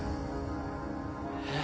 えっ？